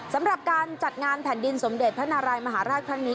สำหรับการจัดงานแผ่นดินสมเด็จพระนารายมหาราชครั้งนี้